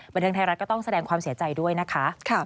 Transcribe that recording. บันเทิงไทยรัฐก็ต้องแสดงความเสียใจด้วยนะคะ